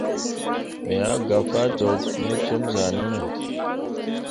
Me ah gah faa cok ne com zahʼnanne.